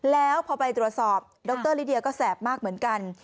แล้วพอไปตรวจสอบดรลิเดียก็แสบมากเหมือนกัน